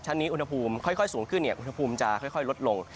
ชั้นนี้อุณหภูมิค่อยค่อยสูงขึ้นเนี่ยอุณหภูมิจะค่อยค่อยลดลง